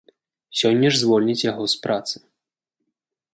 Сёння ж звольніць яго з працы.